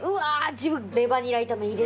自分レバにら炒めいいですか？